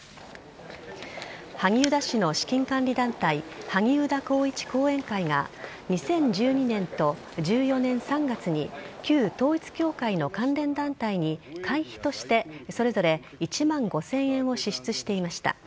萩生田氏の資金管理団体はぎうだ光一後援会は２０１２年と２０１４年３月に旧統一教会の関連団体に会費としてそれぞれ１万５０００円を支出していました。